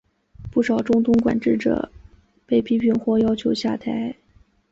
不少中东管治者被批评或要求下台。